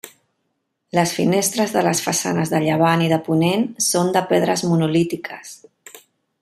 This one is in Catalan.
Les finestres de les façanes de llevant i de ponent són de pedres monolítiques.